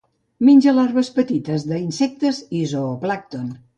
Menja larves petites d'insectes i zooplàncton.